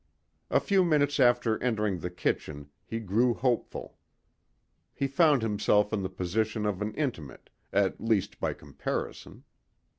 A few minutes after entering the kitchen he grew hopeful. He found himself in the position of an intimate at least by comparison.